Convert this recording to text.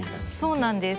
そうなんです。